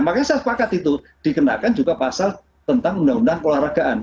makanya saya sepakat itu dikenakan juga pasal tentang undang undang keolahragaan